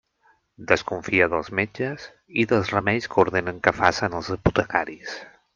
Desconfia dels metges i dels remeis que ordenen que facen els apotecaris.